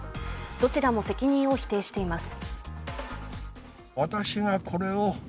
どちらも責任を否定しています。